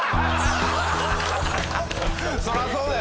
そりゃそうだよな。